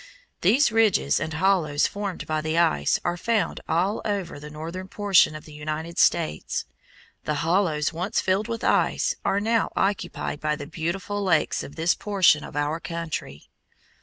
These ridges and hollows formed by the ice are found all over the northern portion of the United States. The hollows once filled with ice are now occupied by the beautiful lakes of this portion of our country.